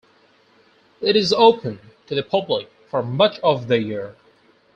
It is open to the public for much of the year.